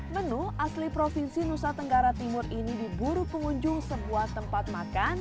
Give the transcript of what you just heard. menu asli provinsi nusa tenggara timur ini diburu pengunjung sebuah tempat makan